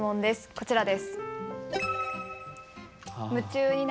こちらです。